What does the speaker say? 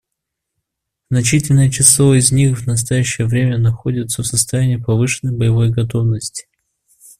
Значительное число из них в настоящее время находятся в состоянии повышенной боевой готовности.